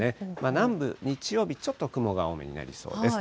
南部、日曜日、ちょっと雲が多めになりそうです。